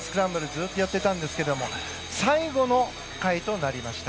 ずっとやってたんですけども最後の回となりました。